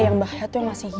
yang bahaya tuh yang masih hiu